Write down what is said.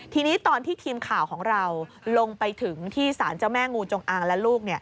ทีนี้ตอนที่ทีมข่าวของเราลงไปถึงที่สารเจ้าแม่งูจงอางและลูก